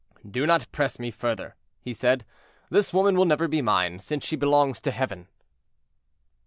"Do not press me further," he said; "this woman will never be mine, since she belongs to Heaven."